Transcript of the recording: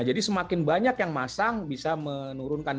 jadi semakin banyak yang masang bisa menurunkan